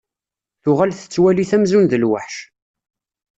Tuɣal tettwali-t amzun d lweḥc.